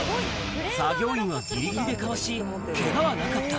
作業員はぎりぎりでかわし、けがはなかった。